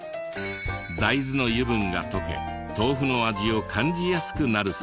大豆の油分が溶け豆腐の味を感じやすくなるそうで。